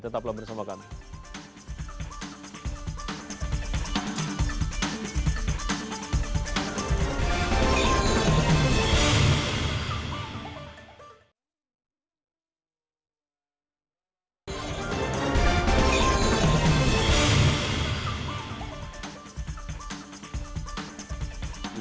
tetaplah bersama kami